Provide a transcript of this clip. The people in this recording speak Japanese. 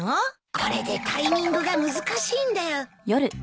これでタイミングが難しいんだよ。